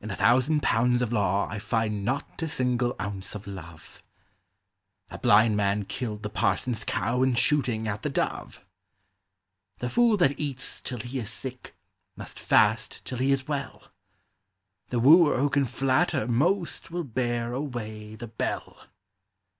In a thousand pounds of law I find not a single ounce of love ; A blind man killed the parson's cow in shooting at the dove ; The fool that eats till he is sick must fast till he is well ; The wooer who can flatter most will bear away the belle.